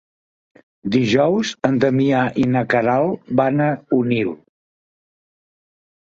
Dijous en Damià i na Queralt van a Onil.